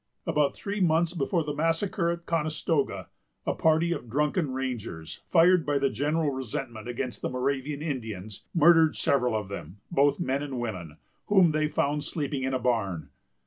About three months before the massacre at Conestoga, a party of drunken Rangers, fired by the general resentment against the Moravian Indians, murdered several of them, both men and women, whom they found sleeping in a barn.